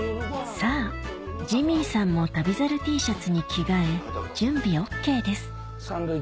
さぁジミーさんも旅猿Ｔシャツに着替え準備ＯＫです